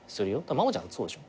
まもちゃんそうでしょ？